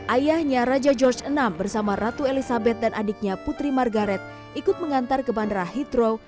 ayahnya raja george vi bersama ratu elizabeth dan adiknya putri margaret ikut mengantar ke bandara heatro